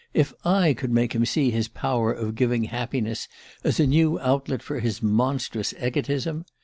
If I could make him see his power of giving happiness as a new outlet for his monstrous egotism!